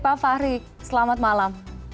pak fahri selamat malam